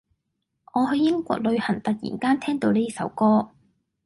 我去英國旅行突然間聽到呢首歌